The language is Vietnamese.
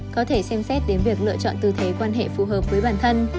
có thể xem xét đến việc lựa chọn tư thế quan hệ phù hợp với bản thân